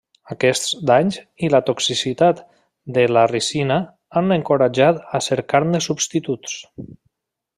Aquests danys i la toxicitat de la ricina han encoratjat a cercar-ne substituts.